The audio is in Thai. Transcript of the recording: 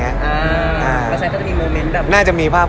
อ่ามาใช้ก็จะมีโมเมนต์แบบ